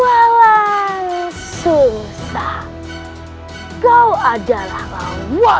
walau susah kau adalah lawan